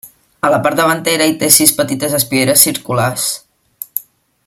A la part davantera hi té sis petites espieres circulars.